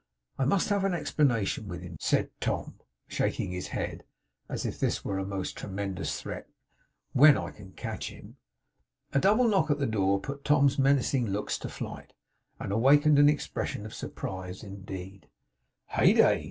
I must have an explanation with him,' said Tom, shaking his head as if this were a most tremendous threat, 'when I can catch him!' A short double knock at the door put Tom's menacing looks to flight, and awakened an expression of surprise instead. 'Heyday!